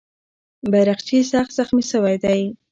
بیرغچی سخت زخمي سوی دی.